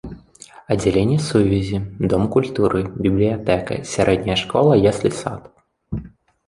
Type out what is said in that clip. Аддзяленне сувязі, дом культуры, бібліятэка, сярэдняя школа, яслі-сад.